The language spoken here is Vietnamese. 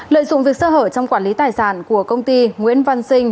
lợi dụng việc sơ hở trong quản lý tài sản của công ty nguyễn văn sinh